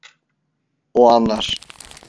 O anlar.